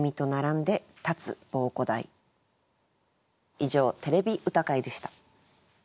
以上「てれび歌会」でした。